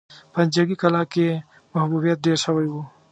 په جنګي کلا کې يې محبوبيت ډېر شوی و.